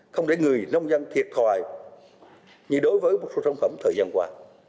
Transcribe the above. không để người nông dân thiệt thòi như đối với một số sản phẩm thời gian qua